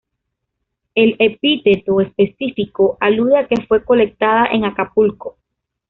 El epíteto específico alude a que fue colectada en Acapulco.